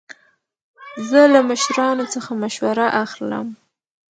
زه له مشرانو څخه مشوره اخلم.